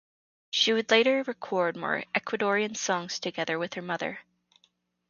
She would later record more Ecuadorian songs together with her mother.